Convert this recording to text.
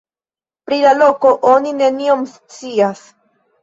Pri la loko oni nenion scias.